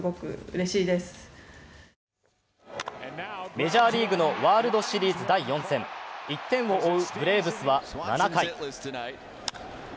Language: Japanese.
メジャーリーグのワールドシリーズ第４戦、１点を追うブレーブスは７回。